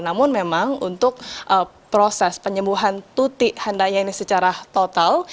namun memang untuk proses penyembuhan tutik handayani secara total